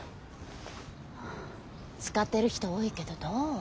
使ってる人多いけどどう？